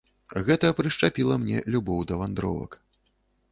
Гэта прышчапіла мне любоў да вандровак.